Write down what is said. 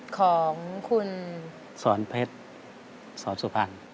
ของคุณสอนเพชรสอนสุภัณฑ์